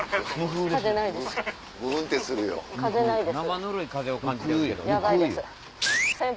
生ぬるい風を感じてる。